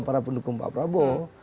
para pendukung pak prabowo